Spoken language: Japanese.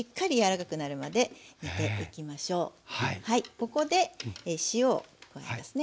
ここで塩を加えますね。